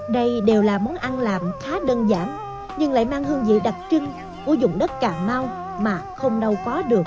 đây đều là món ăn làm khá đơn giản nhưng lại mang hương vị đặc trưng của dùng đất cà mau mà không đâu có được